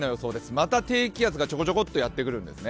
また低気圧がちょこちょことやってくるんですね。